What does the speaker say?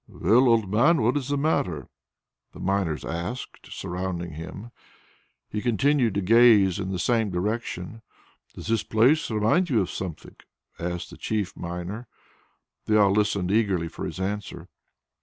"Well, old man! What is the matter?" the miners asked, surrounding him. He continued to gaze in the same direction. "Does this place remind you of something?" asked the chief miner. They all listened eagerly for his answer.